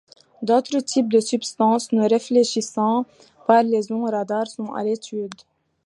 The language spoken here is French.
D'autres types de substances ne réfléchissant pas les ondes radar sont à l'étude.